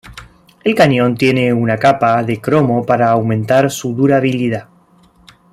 El cañón tiene una capa de cromo para aumentar su durabilidad.